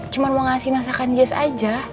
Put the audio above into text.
cuman mau ngasih masakan jess aja